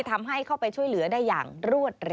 ทำให้เข้าไปช่วยเหลือได้อย่างรวดเร็